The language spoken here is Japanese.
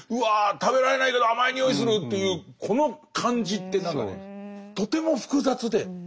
食べられないけど甘い匂いするというこの感じって何かねとても複雑で。